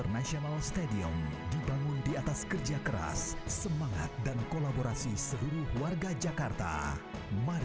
malam malam ku makan malam seribu bintang